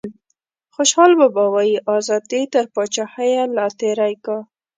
خوشحال بابا وايي ازادي تر پاچاهیه لا تیری کا.